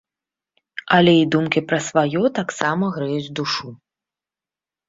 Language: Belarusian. Але і думкі пра сваё таксама грэюць душу.